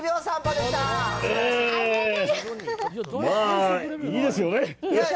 まあいいですよね。